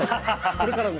これからの。